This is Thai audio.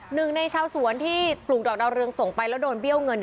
หนึ่งในชาวสวนที่ปลูกดอกดาวเรืองส่งไปแล้วโดนเบี้ยวเงิน